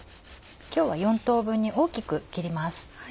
今日は４等分に大きく切ります。